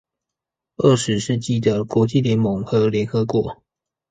二十世紀的國際聯盟和聯合國